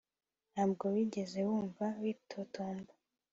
ntabwo wigeze wumva witotomba